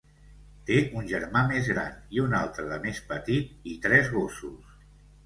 Té un germà més gran i un altre de més petit, i tres gossos.